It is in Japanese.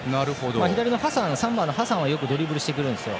左の３番のハサンはよくドリブルしてくるんですよ。